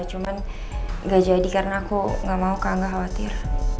cuman gak jadi karena aku gak mau kakak khawatir